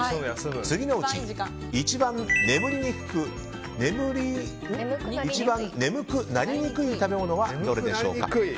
次のうち、一番眠くなりにくい食べ物はどれでしょうか？